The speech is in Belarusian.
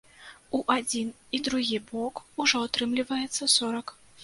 У адзін і другі бок ужо атрымліваецца сорак.